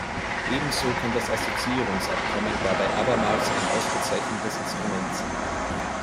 Ebenso kann das Assoziierungsabkommen dabei abermals ein ausgezeichnetes Instrument sein.